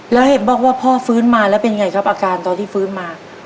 แล้วเห็นบอกว่าพ่อฟื้นมาแล้วเป็นไงครับอาการตอนที่ฟื้นมา